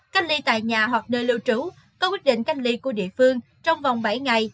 cách ly tại nhà hoặc nơi lưu trú có quyết định canh ly của địa phương trong vòng bảy ngày